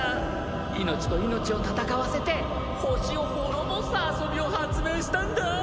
命と命を戦わせて星を滅ぼす遊びを発明したんだ。